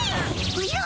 おじゃ？